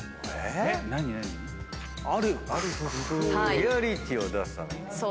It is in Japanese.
リアリティを出すために？